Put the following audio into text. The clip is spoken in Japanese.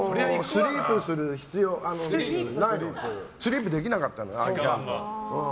もうスリープできなかったの。